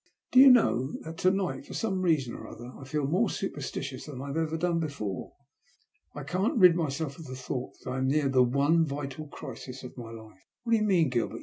Do you know that to night, for some reason or other, I feel more superstitious than I have ever done before. I can't rid myself of the thought that I am near the one vital crisis of my life." " What do you mean, Gilbert